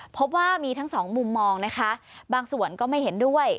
พบว่ามีทั้งสองมุมมองนะคะบางส่วนก็ไม่เห็นด้วย